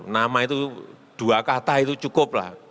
nama itu dua kata itu cukup lah